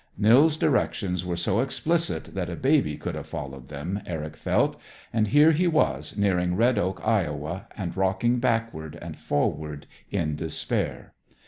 Nils' directions were so explicit that a baby could have followed them, Eric felt. And here he was, nearing Red Oak, Iowa, and rocking backward and forward in despair.